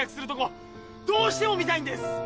どうしても見たいんです。